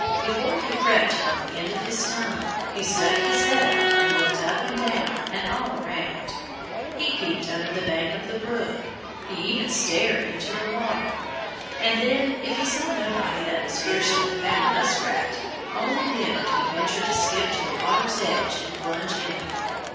Before he crept from the end of his tunnel, he stuck his head out and looked up and down and all around. He peeped under the bank of the brook. He even stared into the water. And then if he saw nobody that was fiercer than Paddy Muskrat only then would he venture to skip to the water's edge and plunge in.